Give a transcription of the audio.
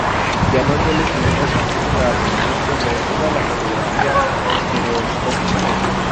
Llamándole poderosamente la atención sobre todo la fotografía estereoscópica.